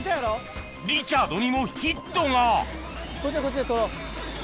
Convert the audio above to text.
リチャードにもヒットがこっちはこっちで取ろう。